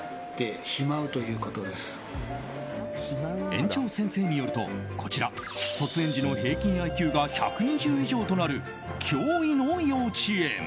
園長先生によると、こちら卒園児の平均ＩＱが１２０以上となる驚異の幼稚園。